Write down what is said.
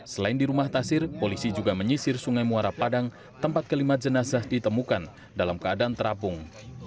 selain di rumah tasir polisi juga menyisir sungai muara padang tempat kelima jenazah ditemukan dalam keadaan terapung